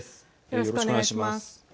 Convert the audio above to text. よろしくお願いします。